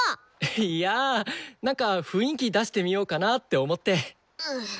いやなんか雰囲気出してみようかなぁって思って。